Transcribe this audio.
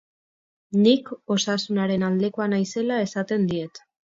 Nik Osasunaren aldekoa naizela esaten diet.